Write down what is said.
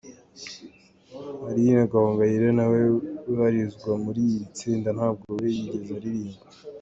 Aline Gahongayire na we ubarizwa muri iri tsinda ntabwo we yigeze aririmba.